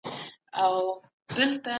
د څېړونکي بصيرت د هغه پوهه ښيي.